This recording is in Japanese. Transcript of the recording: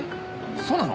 そうなの！？